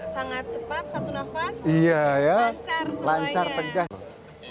sangat cepat satu nafas lancar semuanya